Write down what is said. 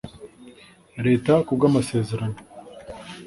Leta ku bw amasezerano